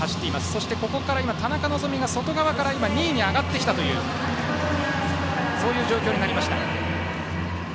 そして、田中希実が外側から２位に上がってきたという状況になりました。